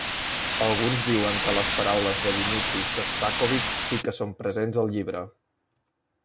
Alguns diuen que les paraules de Dmitri Shostakovich sí que són presents al llibre.